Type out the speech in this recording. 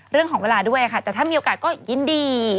เรื่องของเวลาด้วยค่ะแต่ถ้ามีโอกาสก็ยินดี